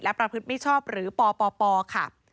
และประพฤติไม่ชอบหรือปปปค่ะ